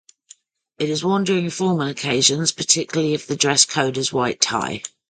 It is worn during formal occasions, particularly if the dress code is white tie.